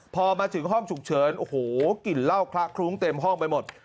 พอมาถึงห้องฉุกเฉินโอ้โหกลิ่นเหล้าคละคลุ้งเต็มห้องไปหมด